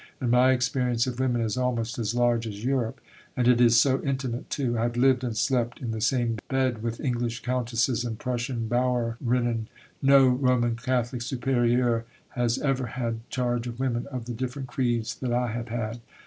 And my experience of women is almost as large as Europe. And it is so intimate too. I have lived and slept in the same bed with English Countesses and Prussian Bäuerinnen. No Roman Catholic Supérieure has ever had charge of women of the different creeds that I have had.